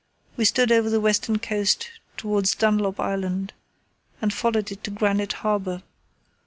We stood over to the western coast towards Dunlop Island and followed it to Granite Harbour.